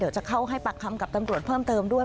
จะเข้าให้ปากคำกับตำรวจเพิ่มเติมด้วย